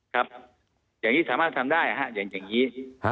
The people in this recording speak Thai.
ครับอย่างนี้สามารถทำได้อย่างนี้